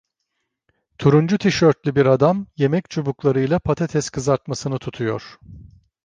Turuncu tişörtlü bir adam, yemek çubuklarıyla patates kızartmasını tutuyor